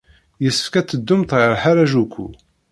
Yessefk ad teddumt ɣer Harajuku.